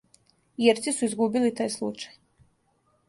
Ирци су изгубили тај случај.